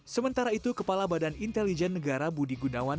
sementara itu kepala badan intelijen negara budi gunawan